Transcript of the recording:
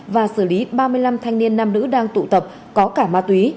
và xử lý ba mươi năm thanh niên nam nữ đang tụ tập có cả ma túy